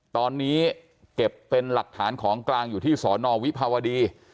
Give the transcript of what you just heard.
ตอนนี้เก็บเป็นหลักฐานของกลางอยู่ที่สอนอวิภาวดี